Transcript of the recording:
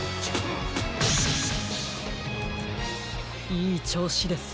いいちょうしです。